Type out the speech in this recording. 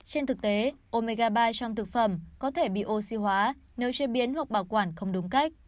trên thực tế omega ba trong thực phẩm có thể bị oxy hóa nếu chế biến hoặc bảo quản không đúng cách